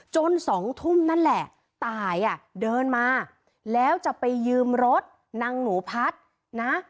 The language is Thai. สองทุ่มนั่นแหละตายอ่ะเดินมาแล้วจะไปยืมรถนางหนูพัดนะ